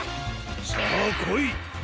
さあこい！